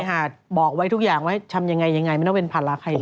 หากบอกไว้ทุกอย่างว่าทำยังไงยังไงไม่ต้องเป็นภาระใครเลย